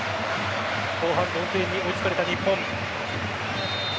後半、同点に追いつかれた日本。